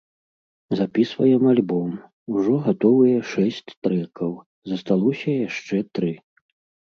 Запісваем альбом, ужо гатовыя шэсць трэкаў, засталося яшчэ тры.